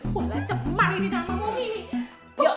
walah cemar ini nama momi